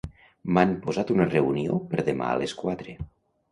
M'han posat una reunió per demà a les quatre.